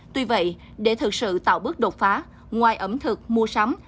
tuy vậy để thực sự tạo bước đột phá ngoài ẩm thực mua sắm